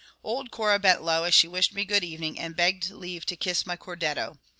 Old Cora bent low as she wished me good evening and begged leave to kiss my cordetto.